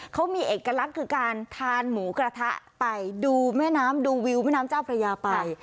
เขามีเอกลักษณ์คือการทานหมูกระทะไปดูแม่น้ำดูวิวแม่น้ำเจ้าพระยาไป